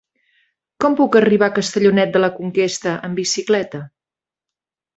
Com puc arribar a Castellonet de la Conquesta amb bicicleta?